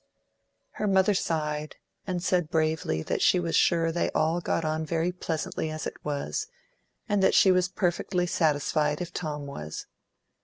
Her mother sighed, and said bravely that she was sure they all got on very pleasantly as it was, and that she was perfectly satisfied if Tom was.